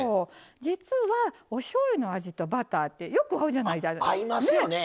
実はおしょうゆの味とバターってよくあるじゃないですか。